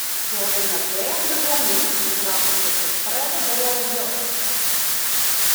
Jo rinne dêr de gong yn en dan is it de tredde doar rjochts.